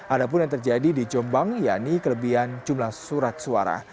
ada pun yang terjadi di jombang yaitu kelebihan jumlah surat suara